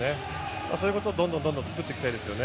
そういうことを作ってきたいですね。